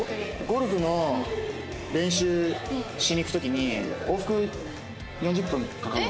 ゴルフの練習しに行く時に往復４０分かかるの。